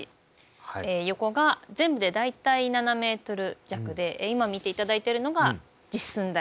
横が全部で大体７ｍ弱で今見ていただいているのが実寸大。